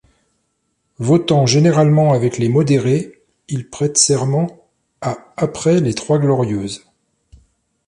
Votant généralement avec les modérés, il prête serment à après les Trois Glorieuses.